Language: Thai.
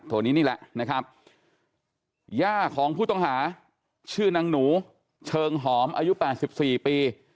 ตัวนี้นี่แหละนะครับย่าของผู้ต้องหาชื่อนางหนูเชิงหอมอายุ๘๔ปี